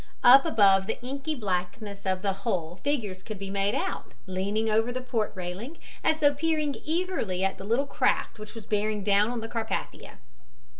Up above the inky blackness of the hull figures could be made out, leaning over the port railing, as though peering eagerly at the little craft which was bearing down on the Carpathia.